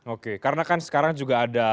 oke karena kan sekarang juga ada